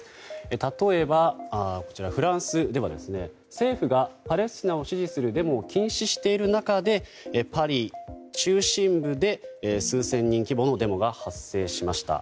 例えばフランスでは政府がパレスチナを支持するデモを禁止している中でパリ中心部で数千人規模のデモが発生しました。